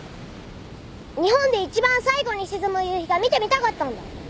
日本でいちばん最後に沈む夕日が見てみたかったんだ！